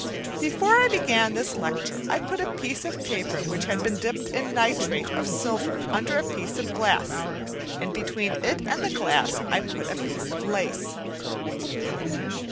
Before I began this lecture, I put a piece of paper, which had been dipped in nitrate of silver, under a piece of glass; and between it and the glass I put a piece of lace.